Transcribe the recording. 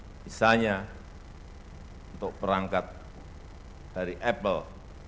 sisanya untuk perangkat dari apple